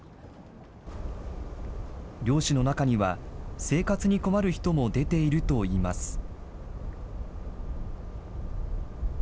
漁師の中には、生活に困る人も出ているといいます。